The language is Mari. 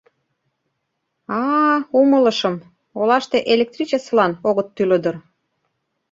А-а, умылышым: олаште электричествылан огыт тӱлӧ дыр.